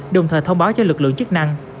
đồng thời thông báo cho lực lượng chức năng